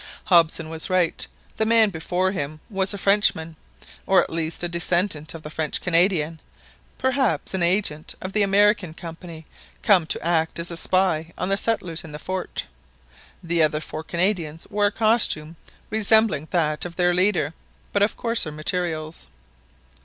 Hobson was right. The man before him was a Frenchman, or at least a descendant of the French Canadians, perhaps an agent of the American Company come to act as a spy on the settlers in the fort. The other four Canadians wore a costume resembling that of their leader, but of coarser materials.